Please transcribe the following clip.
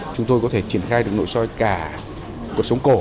chúng tôi có thể triển khai được nội soi cả cuộc sống cổ